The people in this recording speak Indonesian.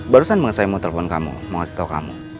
barusan mau kasih tau kamu